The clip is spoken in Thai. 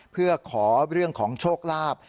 เพื่อขอเรื่องของโชคลาภ